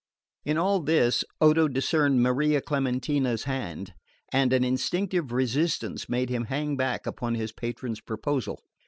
In all this Odo discerned Maria Clementina's hand, and an instinctive resistance made him hang back upon his patron's proposal.